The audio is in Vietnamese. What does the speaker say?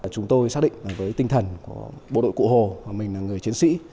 chúng tôi xác định với tinh thần của bộ đội cụ hồ mình là người chiến sĩ